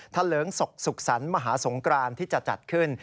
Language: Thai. ทะเลิงศกศุกษรมหาสงครานที่จะจัดขึ้น